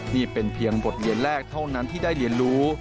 นี่เป็นเพียงบทเรียนแรกเท่านั้นที่ได้เรียนรู้